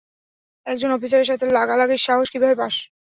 একজন অফিসারের সাথে লাগালাগির সাহস কিভাবে পাস?